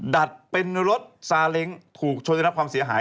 ดัดเป็นรถซาเล้งถูกชนได้รับความเสียหาย